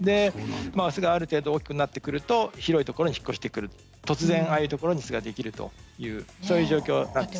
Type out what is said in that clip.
巣がある程度大きくなってくると広いところに引っ越してくる突然ああいうところに巣ができるという状況なんです。